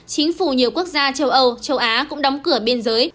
chính phủ nhiều quốc gia châu âu châu á cũng đóng cửa biên giới